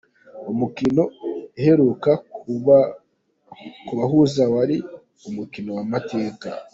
Umukino uheruka kubahuza wari umukino w'amateka.